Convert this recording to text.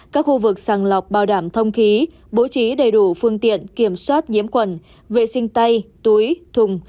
các khu vực sàng lọc bảo đảm thông khí bố trí đầy đủ phương tiện kiểm soát nhiễm khuẩn vệ sinh tay túi thùng